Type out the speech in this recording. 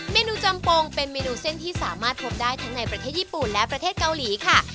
เมนูจำปงเป็นเมนูเส้นที่สามารถพบได้ทั้งในประเทศญี่ปุ่นและประเทศเกาหลีค่ะ